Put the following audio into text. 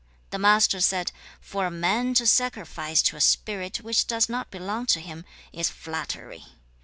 The Master said, 'For a man to sacrifice to a spirit which does not belong to him is flattery.